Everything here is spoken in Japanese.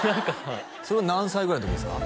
それ何歳ぐらいの時ですか？